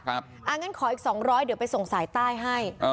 งั้นขออีก๒๐๐เดี๋ยวไปส่งสายใต้ให้